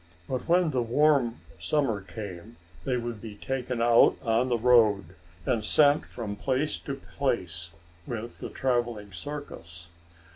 But when the warm summer came, they would be taken out on the road, and sent from place to place with the traveling circus.